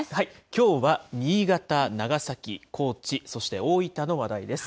きょうは新潟、長崎、高知、そして大分の話題です。